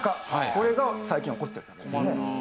これが最近起こってるわけですね。